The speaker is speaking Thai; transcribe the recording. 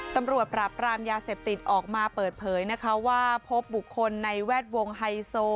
ตำรวจปราบรามยาเสพติดออกมาเปิดเผยนะคะว่าพบบุคคลในแวดวงไฮโซ